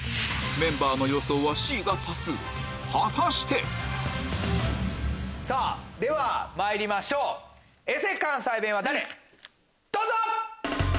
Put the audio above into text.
メンバーの予想はＣが多数果たして⁉さぁではまいりましょうニセ関西弁は誰⁉どうぞ！